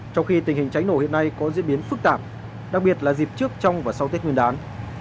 trong khi tình hình cháy nổ hiện nay có diễn biến phức tạp đặc biệt là dịp trước trong và sau tết nguyên đán